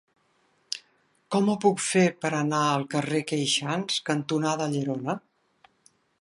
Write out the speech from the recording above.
Com ho puc fer per anar al carrer Queixans cantonada Llerona?